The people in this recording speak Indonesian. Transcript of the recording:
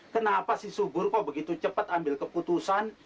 kenapa sih subur kok begitu cepat ambil keputusan